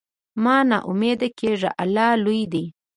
مه نا امیده کېږه، الله لوی دی.